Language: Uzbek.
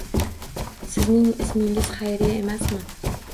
Sizning ismingizXayriya emasmi?